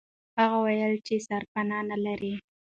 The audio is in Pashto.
هغه وویل چې سرپنا نه لري.